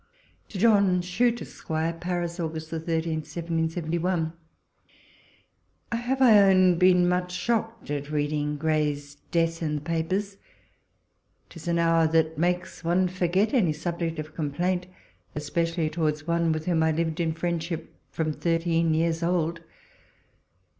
To John Chute, Esq. Paris, August 13, 1771. ... I HAVE, I own, been much shocked at reading Gray's death in the papers. 'Tis an hour that makes one forget any subject of com plaint, especially towards one with whom I liv'ed in friendship from thirteen years old.